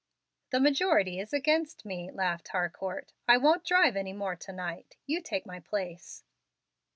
"The majority is against me," laughed Harcourt. "I won't drive any more to night. You take my place."